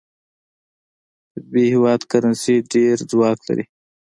د ب هیواد کرنسي ډېر ځواک لري.